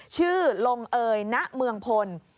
ชื่อลงเอยณเมืองพล